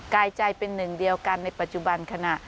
กายใจเป็นหนึ่งเดียวกันในปัจจุบันขณะ